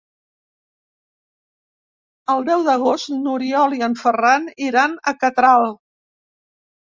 El deu d'agost n'Oriol i en Ferran iran a Catral.